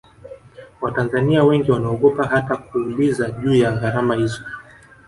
watanzania wengi wanaogopa hata kuuliza juu ya gharama hizo